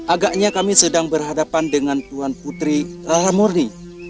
agaknya kami sedang berhadapan dengan tuan putri lalamurni